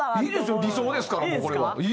いいですよ理想ですからもうこれは。